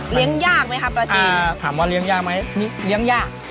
เลี้ยงยากไหมคะปลาจีนถามว่าเลี้ยงยากไหมเลี้ยงยาก